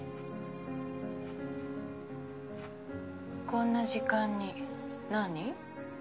こんな時間に何？